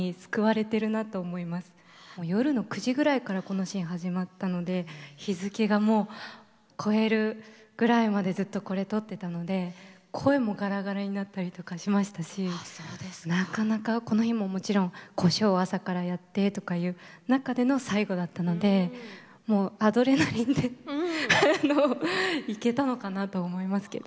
夜の９時ぐらいからこのシーン始まったので日付がもう越えるぐらいまでずっとこれ撮ってたので声もガラガラになったりとかしましたしなかなかこの日ももちろん小姓を朝からやってとかいう中での最後だったのでもうアドレナリンでいけたのかなと思いますけど。